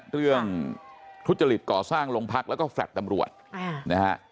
ทุจริตก่อสร้างโรงพักแล้วก็แฟลต์ตำรวจนะฮะ